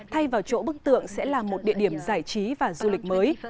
thay vào chỗ bức tượng sẽ là một địa điểm giải trí và du lịch mới